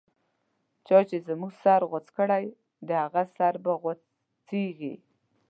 چا چی زموږه سر غوڅ کړی، د هغه سر به غو څیږی